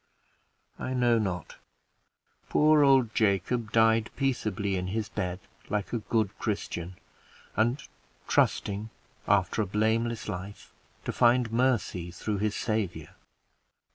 I know not. Poor old Jacob died peaceably in his bed, like a good Christian and trusting, after a blameless life, to find mercy through his Savior.